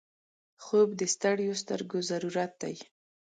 خوب د ستړیو سترګو ضرورت دی